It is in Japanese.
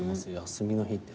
休みの日って。